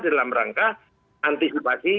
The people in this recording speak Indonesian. dalam rangka antisipasi